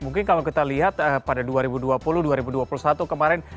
mungkin kalau kita lihat pada dua ribu dua puluh dua ribu dua puluh satu kemarin